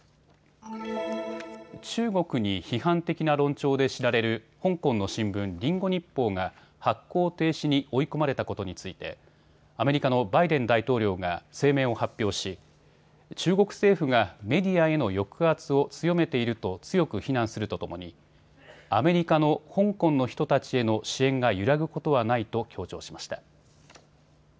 中国に批判的な論調で知られる香港の新聞、リンゴ日報が発行停止に追い込まれたことについてアメリカのバイデン大統領が声明を発表し、中国政府がメディアへの抑圧を強めていると強く非難するとともにアメリカの香港の人たちへの支援が揺らぐことはないと強調しました。